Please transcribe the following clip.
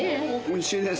おいしいね。